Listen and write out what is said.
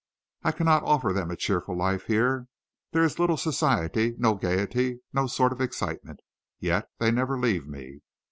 I cannot offer them a cheerful life here. There is little society, no gaiety, no sort of excitement. Yet they never leave me.